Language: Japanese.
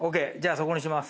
そこにします。